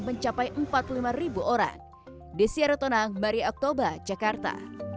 pelaporan di siar tonang mari oktober jakarta